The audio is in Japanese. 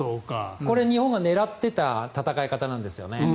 日本が狙っていた戦い方なんですよね。